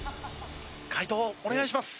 解答をお願いします。